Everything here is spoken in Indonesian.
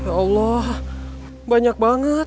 ya allah banyak banget